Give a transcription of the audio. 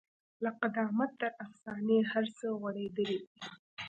له قدامت تر افسانې هر څه غوړېدلي دي.